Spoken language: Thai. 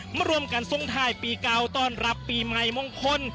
มารวมกันทรงไทยปีเก่าต้อนรับปีใหม่มงคล